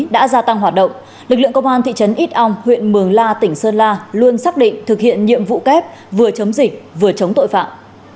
đã gia tăng hoạt động lực lượng công an thị trấn ít ong huyện mường la tỉnh sơn la luôn xác định thực hiện nhiệm vụ kép vừa chống dịch vừa chống tội phạm